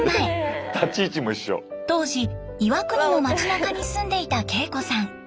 当時岩国の街なかに住んでいた敬子さん。